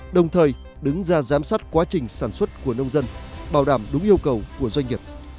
đồng thời đứng ra giám sát quá trình sản xuất của nông dân bảo đảm đúng yêu cầu của doanh nghiệp